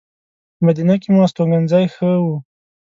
په مدینه کې مو استوګنځی ښه و.